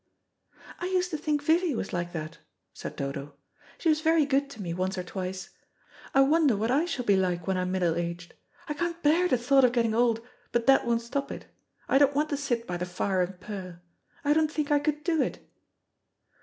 "I used to think Vivy was like that," said Dodo. "She was very good to me once or twice. I wonder what I shall be like when I'm middle aged. I can't bear the thought of getting old, but that won't stop it. I don't want to sit by the fire and purr. I don't think I could do it."